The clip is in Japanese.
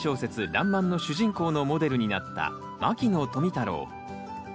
「らんまん」の主人公のモデルになった牧野富太郎。